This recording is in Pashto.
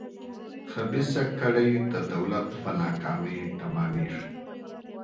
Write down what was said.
خبیثه کړۍ د دولت په ناکامۍ تمامېږي.